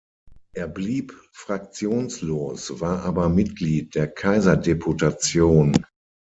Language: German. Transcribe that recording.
Er blieb fraktionslos, war aber Mitglied der Kaiserdeputation.